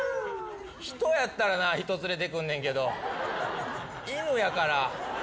人やったらな人連れてくんねんけど犬やから犬連れてきた。